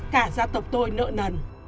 cả gia tộc tôi nợ nần